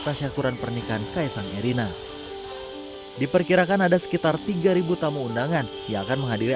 tasyakuran pernikahan kaisang erina diperkirakan ada sekitar tiga tamu undangan yang akan menghadiri